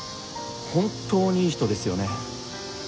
本当にいい人ですよね。